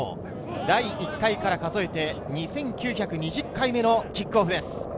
第１回から数えて２９２０回目のキックオフです。